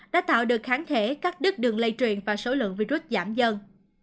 đã tạo được kháng thể cắt đứt đường lây truyền và số lượng virus giảm dần